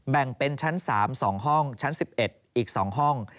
แบ่งเป็นชั้น๓๒ห้องชั้น๑๑อีก๒ห้อง